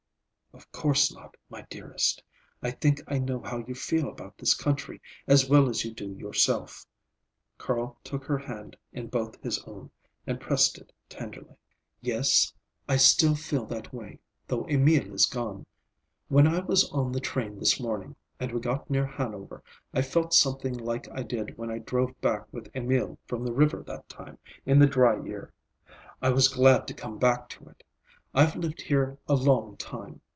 "Of course not, my dearest. I think I know how you feel about this country as well as you do yourself." Carl took her hand in both his own and pressed it tenderly. "Yes, I still feel that way, though Emil is gone. When I was on the train this morning, and we got near Hanover, I felt something like I did when I drove back with Emil from the river that time, in the dry year. I was glad to come back to it. I've lived here a long time.